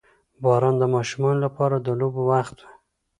• باران د ماشومانو لپاره د لوبو وخت وي.